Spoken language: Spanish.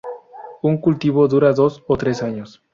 Un cultivo dura dos o tres años.